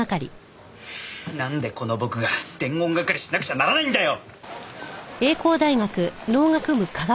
なんでこの僕が伝言係しなくちゃならないんだよ！